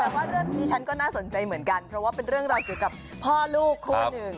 แต่ว่าเรื่องนี้ฉันก็น่าสนใจเหมือนกันเพราะว่าเป็นเรื่องราวเกี่ยวกับพ่อลูกคู่หนึ่ง